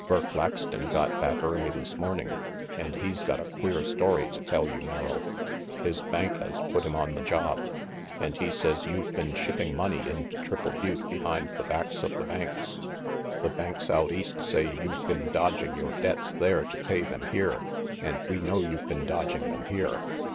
"Burk Laxton got back early this morning, and he's got a queer story to tell about you, Merrill. His bank has put him on the job, and he says you've been shipping money into Triple Butte behind the backs of the banks. The banks out east say you've been dodging your debts there to pay them here, and we know you've been dodging them here.